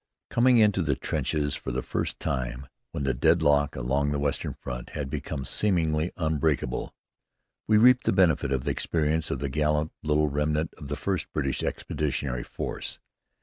Coming into the trenches for the first time when the deadlock along the western front had become seemingly unbreakable, we reaped the benefit of the experience of the gallant little remnant of the first British Expeditionary Force.